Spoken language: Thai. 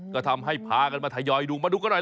ก็ทำให้พากันมาทยอยดูมาดูกันหน่อย